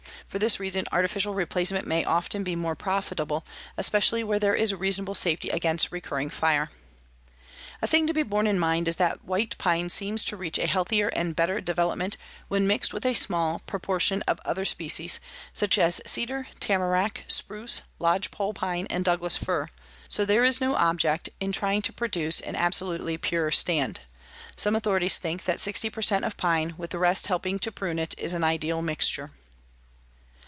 For this reason artificial replacement may often be more profitable, especially where there is reasonable safety against recurring fire. A thing to be borne in mind is that white pine seems to reach a healthier and better development when mixed with a small proportion of other species, such as cedar, tamarack, spruce, lodgepole pine and Douglas fir, so there is no object in trying to produce an absolutely pure stand. Some authorities think that 60 per cent of pine, with the rest helping to prune it, is an ideal mixture.